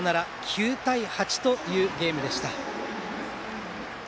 ９対８というゲームでした。